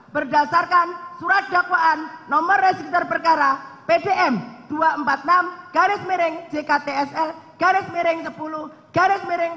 berdasarkan surat dakwaan nomor register perkara pdn dua ratus empat puluh enam jktsl sepuluh jktsl